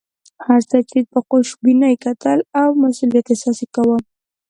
هر څه ته یې په خوشبینۍ کتل او د مسوولیت احساس یې کاوه.